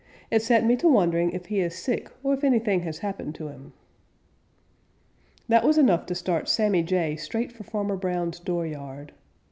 It set me to wondering if he is sick, or if anything has happened to him." That was enough to start Sammy Jay straight for Farmer Brown's dooryard.